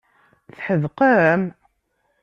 Tḥedqem?